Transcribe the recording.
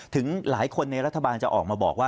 ถึงหลายคนในรัฐบาลจะออกมาบอกว่า